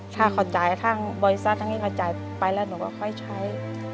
ถ้าขอจ่ายทั้งบอยซ่าทั้งที่ขอจ่ายไปแล้วหนูก็ค่อยใช้